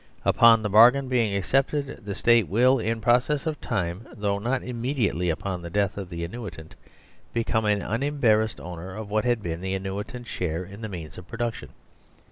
Upon the bar gain being accepted the State will, in process of time, though not immediately upon the death of the annuitant, become an unembarrassed owner of what had been the annuitant's share in the means of production.